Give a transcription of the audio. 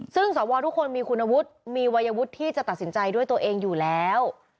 ซึ่งสวทุกคนมีคุณวุฒิมีวัยวุฒิที่จะตัดสินใจด้วยตัวเองอยู่แล้ว